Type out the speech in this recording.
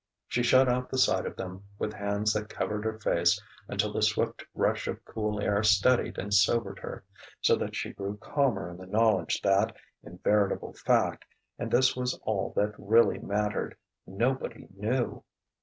She shut out the sight of them with hands that covered her face until the swift rush of cool air steadied and sobered her, so that she grew calmer in the knowledge that, in veritable fact (and this was all that really mattered) "nobody knew"....